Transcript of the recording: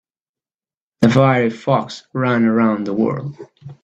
The fiery fox ran around the world.